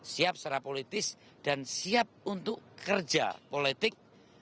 siap secara politis dan siap untuk kerja politik